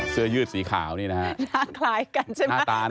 เสื้อยืดสีขาวนี่นะฮะ